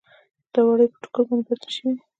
دا وړۍ په ټوکر باندې بدلې شوې دي.